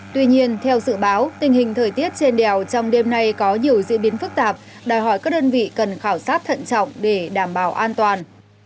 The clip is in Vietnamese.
tuy nhiên theo dự báo tình hình thời tiết trên đèo trong đêm nay có nhiều diễn biến phức tạp đòi hỏi các đơn vị cần khảo sát thận trọng để đảm bảo an toàn